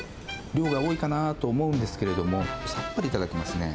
量が多いかなと思うんですけれども、さっぱり頂けますね。